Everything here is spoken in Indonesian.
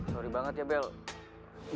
sorry banget ya bel